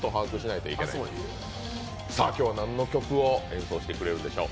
今日は何の曲を演奏してくれるんでしょう？